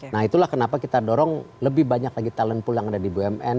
nah itulah kenapa kita dorong lebih banyak lagi talent pool yang ada di bumn